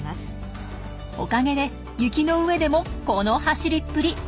おかげで雪の上でもこの走りっぷり。